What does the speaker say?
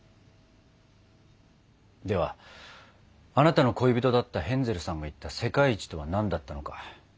ではあなたの恋人だったヘンゼルさんが言った「世界一」とは何だったのか。